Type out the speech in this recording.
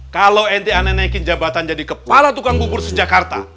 kalau ente ane naikin jabatan jadi kepala tukang bubur sejak kata